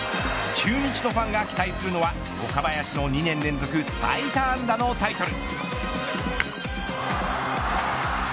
中日のファンが期待をするのは岡林の２年連続最多安打のタイトル。